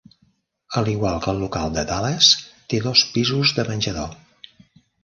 A l'igual que el local de Dallas, té dos pisos de menjador.